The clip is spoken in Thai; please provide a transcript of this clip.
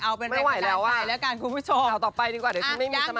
เอาเป็นแรกหลายไปแล้วกันคุณผู้ชมเอาต่อไปดีกว่าเดี๋ยวซึ่งไม่มีสมาธิ